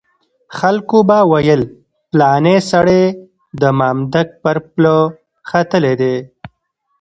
خلکو به ویل پلانی سړی د مامدک پر پله ختلی دی.